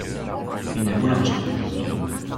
Une boulangerie.